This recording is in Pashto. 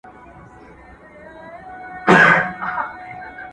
زه پرون درسونه تيار کړي؟